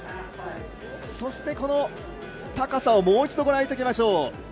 そして、高さをもう一度ご覧いただきましょう。